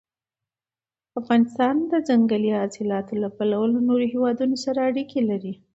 افغانستان د ځنګلي حاصلاتو له پلوه له نورو هېوادونو سره اړیکې لري.